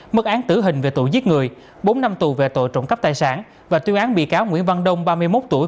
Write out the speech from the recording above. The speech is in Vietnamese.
mức án tử hình về tội giết người bốn năm tù về tội trộm cắp tài sản và tuyên án bị cáo nguyễn văn đông ba mươi một tuổi